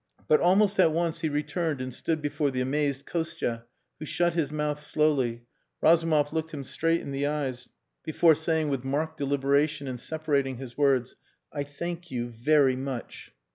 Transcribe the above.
But almost at once he returned and stood before the amazed Kostia, who shut his mouth slowly. Razumov looked him straight in the eyes, before saying with marked deliberation and separating his words "I thank you very much."